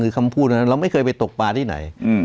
คือคำพูดนั้นเราไม่เคยไปตกปลาที่ไหน